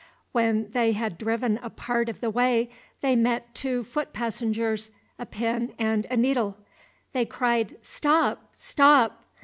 When they had driven a part of the way they met two foot passengers, a pin and a needle. They cried, "Stop! stop!"